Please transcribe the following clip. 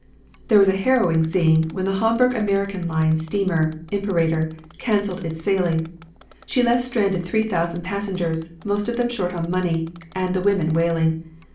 "There was a harrowing scene when the Hamburg American Line steamer Imperator canceled its sailing. She left stranded three thousand passengers, most of them short of money, and the women wailing.